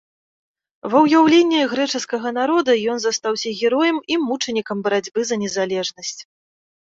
Ва ўяўленні грэчаскага народа ён застаўся героем і мучанікам барацьбы за незалежнасць.